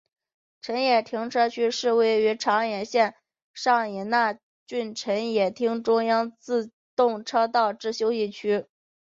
辰野停车区是位于长野县上伊那郡辰野町的中央自动车道之休息区。